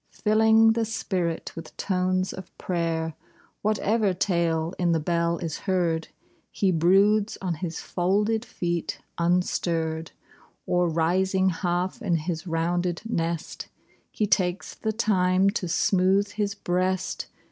Filling the spirit with tones of prayer Whatever tale in the bell is heard, lie broods on his folded feet unstirr'd, Oi, rising half in his rounded nest. He takes the time to smooth his breast.